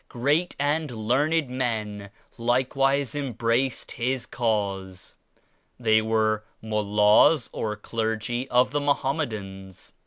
Great and learned men likewise em braced His Cause. They were Mullahs or clergy of the Mohammedans.